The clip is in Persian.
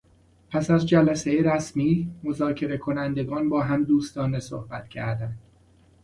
پس از جلسهی رسمی مذاکره کنندگان باهم دوستانه صحبت کردند.